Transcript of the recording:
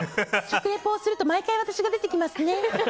食リポをすると毎回、私が出てきますね。